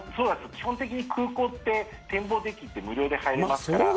基本的に空港って展望デッキって無料で入れますから。